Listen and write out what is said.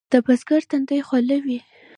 د بزګر تندی خوله وي.